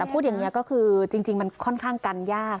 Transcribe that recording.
พูดอย่างนี้ก็คือจริงมันค่อนข้างกันยาก